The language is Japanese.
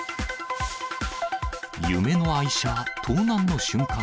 夢の愛車、盗難の瞬間。